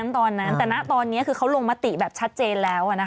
ตอนนั้นแต่ณตอนนี้คือเขาลงมติแบบชัดเจนแล้ว